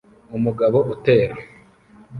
Umugabo utera